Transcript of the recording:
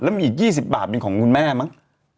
มีอีก๒๐บาทเป็นของคุณแม่มั้ง